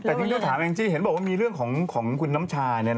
แต่ที่ต้องถามแองจี้เห็นบอกว่ามีเรื่องของคุณน้ำชา